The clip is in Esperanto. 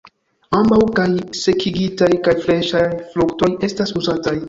Ambaŭ, kaj sekigitaj kaj freŝaj fruktoj estas uzataj.